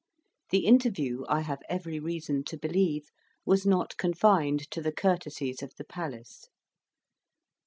The interview, I have every reason to believe, was not confined to the courtesies of the palace.